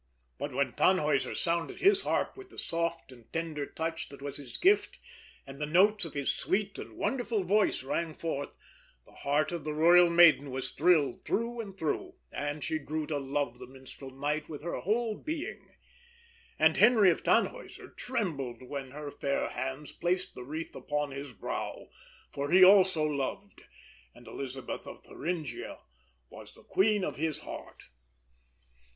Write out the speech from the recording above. But when Tannhäuser sounded his harp with the soft and tender touch that was his gift, and the notes of his sweet, wonderful voice rang forth, the heart of the royal maiden was thrilled through and through, and she grew to love the Minstrel Knight with her whole being. And Henry of Tannhäuser trembled when her fair hands placed the wreath upon his brow; for he also loved, and Elisabeth of Thuringia was the queen of his heart.